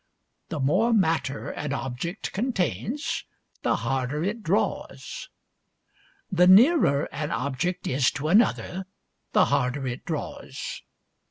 " The more matter an object contains the harder it draws. " The nearer an object is to another the harder it draws.